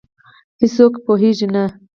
هیڅوک پوهېږې نه،